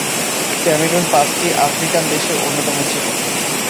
Cameroon পাঁচটি African দেশের অন্যতম ছিল।